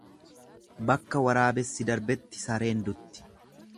Bakka waraabessi darbetti sareen dutti.